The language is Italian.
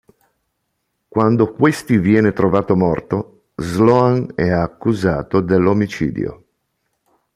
Quando questi viene trovato morto, Sloan è accusato dell'omicidio...